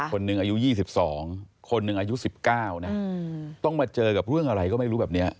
คนหนึ่งอายุ๒๒คนหนึ่งอายุ๑๙นะต้องมาเจอกับเรื่องอะไรก็ไม่รู้แบบนี้